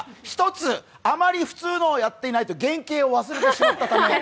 １つ、あまり普通のをやっていないと原型を忘れてしまったため。